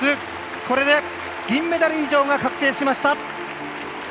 これで、銀メダル以上が確定しました。